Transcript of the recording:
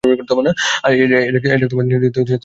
অ্যাজাক আমাদের নেতৃত্ব দিতে সার্সিকে বেছে নিয়েছে।